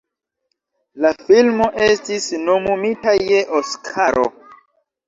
La filmo estis nomumita je Oskaro.